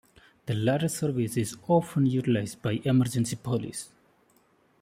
The latter service is often utilized by emergency police.